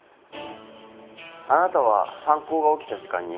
あなたは犯行が起きた時間に